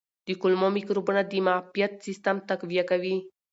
د کولمو مایکروبونه د معافیت سیستم تقویه کوي.